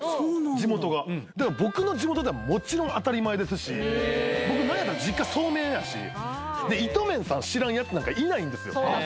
地元がだから僕の地元ではもちろん当たり前ですし僕何やったら実家そうめん屋やしイトメンさん知らんやつなんかいないんですよ